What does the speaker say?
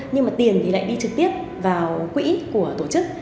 nhưng mà tiền thì lại đi trực tiếp vào quỹ của tổ chức